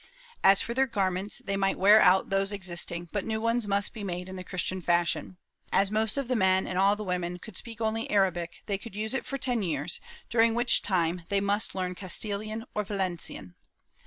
As for their garments, they might wear out those existing, but new ones must be made in the Christian fashion. As most of the men and all the women could speak only Arabic, they could use it for ten years, during which time they must learn Castilian or Valencian.